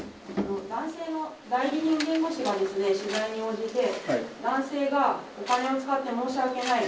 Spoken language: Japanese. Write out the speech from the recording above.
男性の代理人弁護士が取材に応じて、男性がお金を使って申し訳ない。